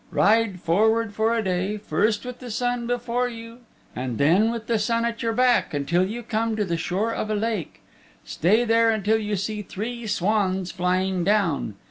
Ride forward for a day, first with the sun before you and then with the sun at your back, until you come to the shore of a lake. Stay there until you see three swans flying down.